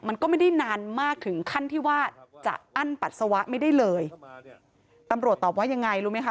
มันก็ไม่ได้นานมากถึงขั้นที่ว่าจะอั้นปัสสาวะไม่ได้เลยตำรวจตอบว่ายังไงรู้ไหมคะ